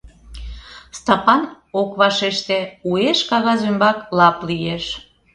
Стапан ок вашеште, уэш кагаз ӱмбак лап лиеш.